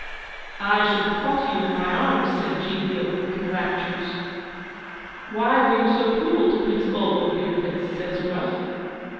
"I should have caught you in my arms," said Giglio, looking raptures. "Why were you so cruel to Prince Bulbo, dear Prince?" says Gruff.